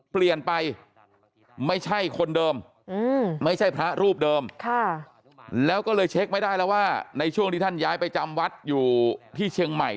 เปลี่ยนไปไม่ใช่คนเดิมไม่ใช่พระรูปเดิมแล้วก็เลยเช็คไม่ได้แล้วว่าในช่วงที่ท่านย้ายไปจำวัดอยู่ที่เชียงใหม่